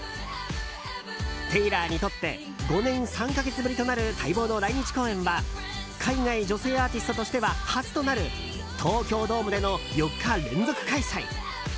テイラーにとって５年３か月ぶりとなる待望の来日公演は海外女性アーティストとしては初となる東京ドームでの４日連続開催。